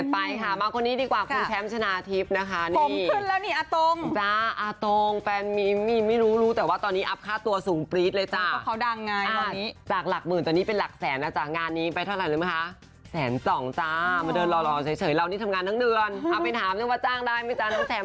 พอที่เขาเขียนว่าแบบอัพค่าตัวเป็นแสนเป็นล้านอะไรอย่างนี้